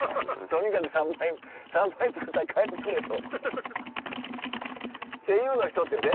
とにかく３枚３枚作ったら帰ってくれと。っていうのはひとつやで。